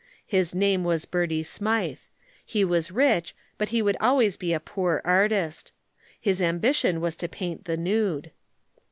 His name was Bertie Smythe. He was rich, but he would always be a poor artist. His ambition was to paint the nude.